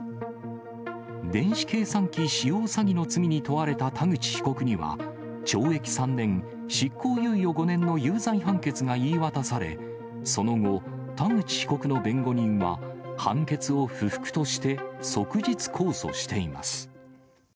電子計算機使用詐欺の罪に問われた田口被告には、懲役３年、執行猶予５年の有罪判決が言い渡され、その後、田口被告の弁護人は判決を不服として即日控訴しています。